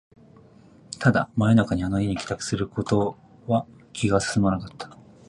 ただ、真夜中にあの家に帰宅することは気が進まなかった